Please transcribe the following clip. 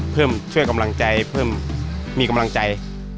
ช่วยกำลังใจเพิ่มมีกำลังใจ